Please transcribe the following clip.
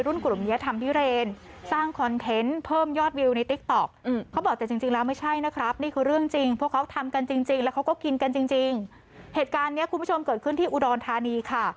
เหตุการณ์นี้คุณผู้ชมเกิดขึ้นที่อุดรทานีค่ะ